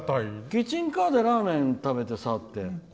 キッチンカーでラーメン食べてさって。